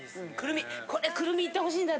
これくるみいってほしいんだよ